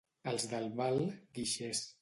Els d'Albal, guixers.